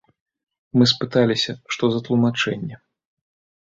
Мы спыталіся, што за тлумачэнні.